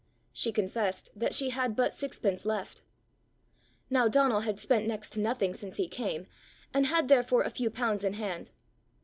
She confessed that she had but sixpence left. Now Donal had spent next to nothing since he came, and had therefore a few pounds in hand.